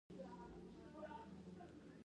په دې ورځو کې ټول کورونو ته ځي.